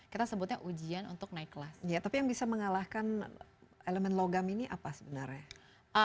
kita sebutnya ujian untuk naik kelas tapi yang bisa mengalahkan elemen logam ini apa sebenarnya